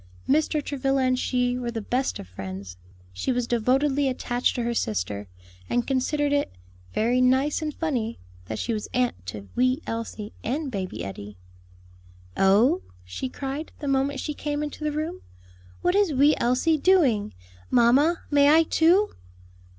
Mr. Travilla and she were the best of friends; she was devotedly attached to her sister, and considered it "very nice and funny," that she was aunt to wee Elsie and baby Eddie. "Oh," she cried, the moment she came into the room, "what is wee Elsie doing? Mamma, may I, too?"